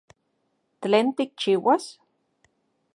¿Tlen tikchiuas?